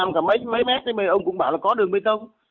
mà cả mấy mét thì ông cũng bảo là có đường bê tông